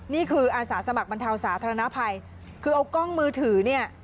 นี่คืออาสาสมัครบรรเทาสาธารณภัยคือเอากล้องมือถือเนี่ย